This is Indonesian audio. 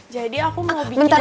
jadi aku mau bikin